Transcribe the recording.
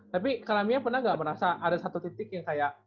tapi kami pernah nggak merasa ada satu titik yang kayak